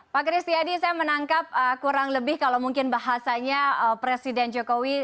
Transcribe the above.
pak kristiadi saya menangkap kurang lebih kalau mungkin bahasanya presiden jokowi